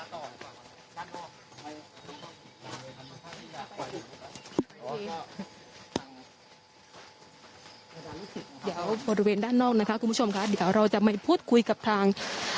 เดี๋ยวบริเวณด้านนอกนะคะคุณผู้ชมค่ะเดี๋ยวเราจะมาพูดคุยกับทาง